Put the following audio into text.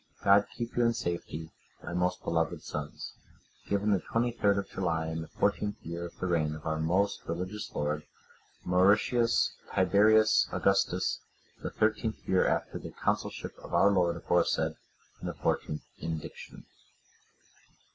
God keep you in safety, my most beloved sons. Given the 23rd of July, in the fourteenth year of the reign of our most religious lord, Mauritius Tiberius Augustus, the thirteenth year after the consulship of our lord aforesaid, and the fourteenth indiction."